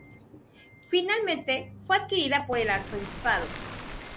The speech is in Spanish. Finalmente, fue adquirida por el arzobispado.